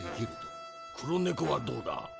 黒猫はどうだ？